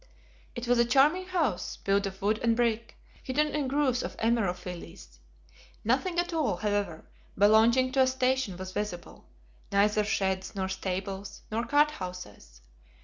It was a charming house, built of wood and brick, hidden in groves of emerophilis. Nothing at all, however, belonging to a station was visible neither sheds, nor stables, nor cart houses.